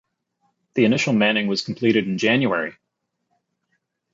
The initial manning was completed in January.